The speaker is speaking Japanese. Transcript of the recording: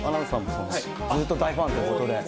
森さんも大ファンということで。